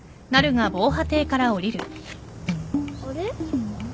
あれ？